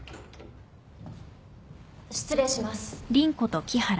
・失礼します。